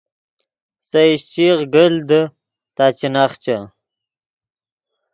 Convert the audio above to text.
سے ایشچیغ گیل دے تا چے نخچے